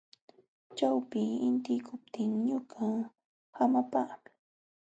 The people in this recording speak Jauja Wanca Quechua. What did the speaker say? Ćhawpi intiykuptin ñuqa hamapaami.